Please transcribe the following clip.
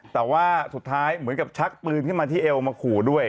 แต่ว่าสุดท้ายเหมือนกับชักปืนขึ้นมาที่เอวมาขู่ด้วย